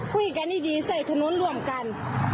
คุยกันดีใส่คุณล้วนร่วมกัน